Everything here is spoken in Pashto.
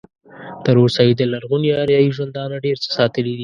تر اوسه یې د لرغوني اریایي ژوندانه ډېر څه ساتلي دي.